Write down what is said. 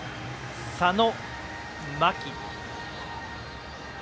佐野、牧。